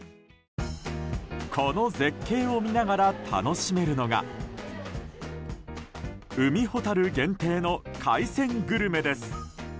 この絶景を見ながら楽しめるのが海ほたる限定の海鮮グルメです。